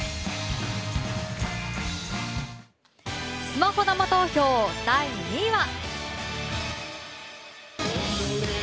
スマホ生投票第２位は。